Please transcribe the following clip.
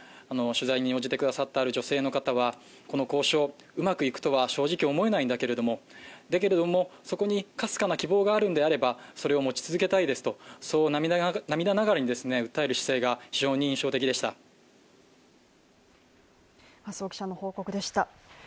取材に応じてくださったある女性の方はこの交渉、うまくいくとは正直思えないんだけども、だけどもそこにかすかな希望があるのであれば、それを持ち続けたいですと、涙ながらに訴える姿勢が非常に印象的でした。